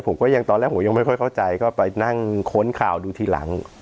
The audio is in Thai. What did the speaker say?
ผมก็ยังตอนแรกผมยังไม่ค่อยเข้าใจก็ไปนั่งค้นข่าวดูทีหลัง